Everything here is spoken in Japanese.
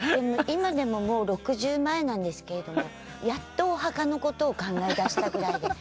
今でも、６０前なんですけどやっとお墓のことを考え出したぐらいで。